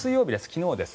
昨日です。